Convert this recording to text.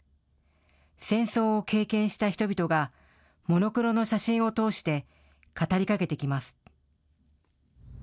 戦争を経験した人々がモノクロの写真を通して語りかけてきます。